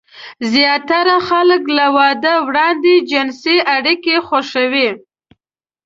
زياتره خلک له واده وړاندې جنسي اړيکې خوښوي.